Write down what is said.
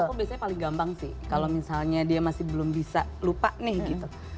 aku biasanya paling gampang sih kalau misalnya dia masih belum bisa lupa nih gitu